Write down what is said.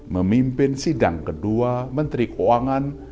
memimpin sidang kedua menteri keuangan